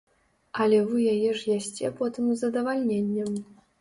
Але вы яе ж ясце потым з задавальненнем.